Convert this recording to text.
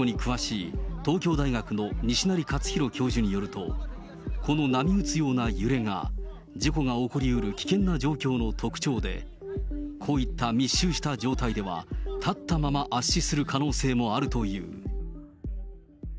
群衆事故に詳しい東京大学の西成かつひろ教授によると、この波打つような揺れが、事故が起こりうる危険な状況の特徴で、こういった密集した状態では、立ったまま圧死する可能性もあるという。